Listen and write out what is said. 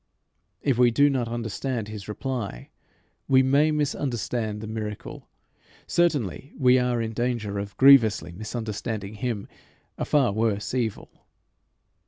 If we do not understand his reply, we may misunderstand the miracle certainly we are in danger of grievously misunderstanding him a far worse evil.